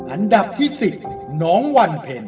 อันดับที่สี่น้องวันเพลง